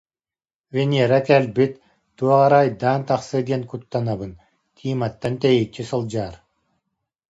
Венера кэлбит, туох эрэ айдаан тахсыа диэн куттанабын, Тиматтан тэйиччи сылдьаар